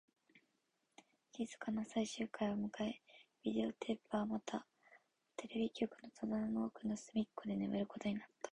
静かな最終回を迎え、ビデオテープはまたテレビ局の戸棚の奥の隅っこで眠ることになった